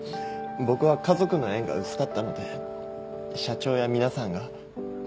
僕は家族の縁が薄かったので社長や皆さんが。